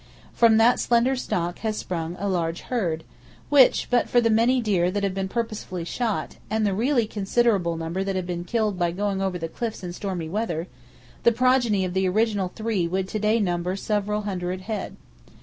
From that slender stock has sprung a large herd, which, but for the many deer that have been purposely shot, and the really considerable number that have been killed by going over the cliffs in stormy weather, the progeny of the original three would to day number several hundred head.